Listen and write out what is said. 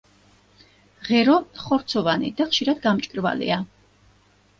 ღერო ხორცოვანი და ხშირად გამჭვირვალეა.